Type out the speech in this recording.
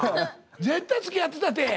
絶対つきあってたって。